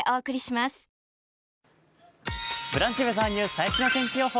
最新の天気予報